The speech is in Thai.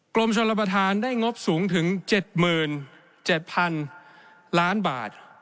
กรมชนรับประทานได้งบสูงถึง๗๗๐๐๐ล้านบาท